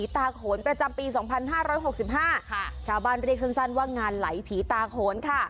ถิ่มสีส้ม